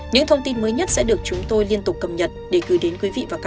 những thông tin mới nhất sẽ được chúng tôi liên tục cập nhật để gửi đến quý vị và các bạn